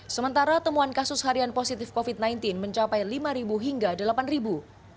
sementara temuan kasus harian positif covid sembilan belas mencapai lima hingga delapan ribu